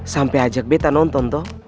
sampai ajak beta nonton tuh